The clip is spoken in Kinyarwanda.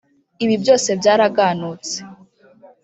ibi byose byaraganutse